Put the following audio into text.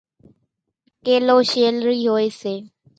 ڪيلو شيلرِي هوئيَ سي۔